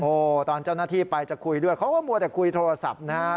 โอ้โหตอนเจ้าหน้าที่ไปจะคุยด้วยเขาก็มัวแต่คุยโทรศัพท์นะฮะ